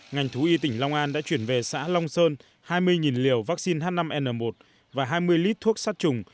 ngành thú y tỉnh long an đã chuyển về xã long sơn hai mươi liều vaccine h năm n một và hai mươi lít thuốc sát trùng